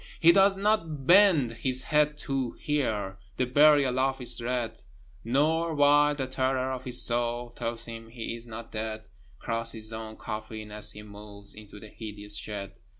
He does not bend his head to hear The Burial Office read, Nor, while the terror of his soul Tells him he is not dead, Cross his own coffin, as he moves Into the hideous shed.